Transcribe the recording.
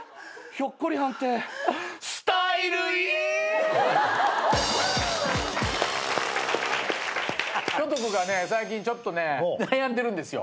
ひょと子がね最近ちょっとね悩んでるんですよ。